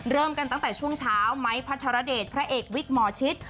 เริ่มกันตั้งแต่ช่วงเช้าไม้พัทรเดชพระเอกวิกหมอชิต